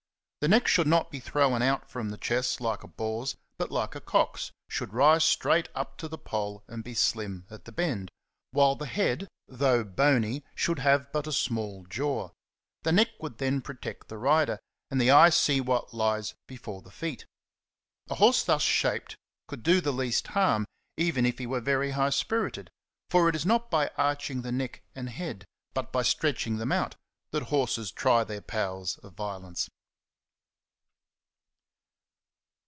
The neck should not be thrown out from the chest like a boar's, but, like a cock's, should rise straight up to the poll and be slim at the bend, while the head, though bony, should have but a small jaw.^ The neck would then protect the rider, and the eye see what lies before the feet. A horse thus shaped could do the least harm, even if he were very high spirited ; for it is not by arching the neck and head, but by stretching them out, that horses try their powers of violence.